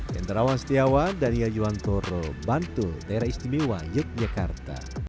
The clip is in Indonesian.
diantarawan setiawan dan yajuan toro bantu daerah istimewa yogyakarta